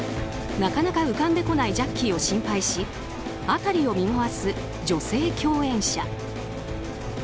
なかなか浮かんでこないジャッキーを心配し辺りを見回す女性共演者。